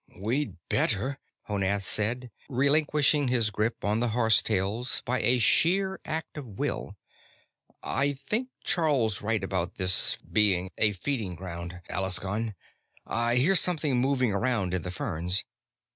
"We'd better," Honath said, relinquishing his grip on the horsetails by a sheer act of will. "I think Charl's right about this being a feeding ground, Alaskon. I hear something moving around in the ferns.